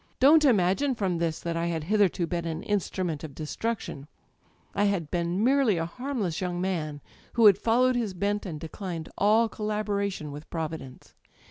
Don't imagine from this that I had hitherto been an instrument of destruc Digitized by LjOOQ IC THE EYES tion. I had been merely a harmless young man» who had followed his bent and declined all collaboration with Providence.